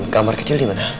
kamar kecil dimana